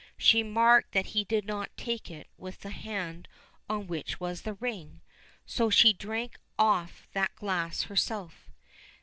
She marked that he did not take it with the hand on which was the ring, so she drank off that glass herself.